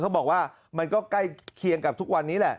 บอกว่ามันก็ใกล้เคียงกับทุกวันนี้แหละ